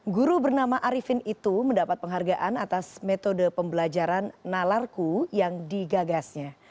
guru bernama arifin itu mendapat penghargaan atas metode pembelajaran nalarku yang digagasnya